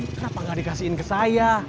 kenapa gak dikasihin ke saya